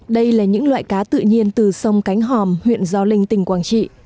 đây là những loại cá tự nhiên từ sông cánh hòm huyện gio linh tỉnh quảng trị